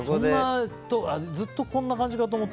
ずっとこんな感じだと思った。